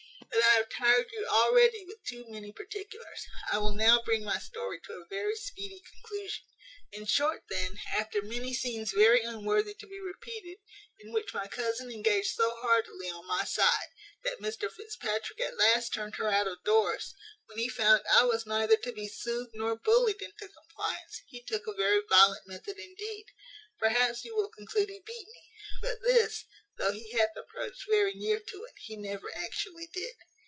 "But I have tired you already with too many particulars. I will now bring my story to a very speedy conclusion. In short, then, after many scenes very unworthy to be repeated, in which my cousin engaged so heartily on my side, that Mr Fitzpatrick at last turned her out of doors; when he found I was neither to be soothed nor bullied into compliance, he took a very violent method indeed. Perhaps you will conclude he beat me; but this, though he hath approached very near to it, he never actually did.